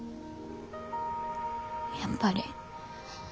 やっぱり。